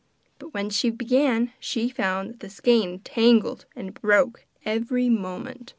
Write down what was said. But when she began she found that the skein tangled and broke every moment.